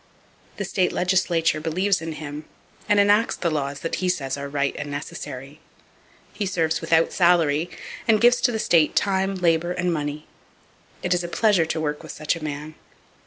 The state legislature believes in him, and enacts the laws that he says are right and necessary. He serves without salary, and gives to the state time, labor and money. It is a pleasure to work with such a man.